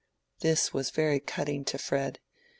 This was very cutting to Fred.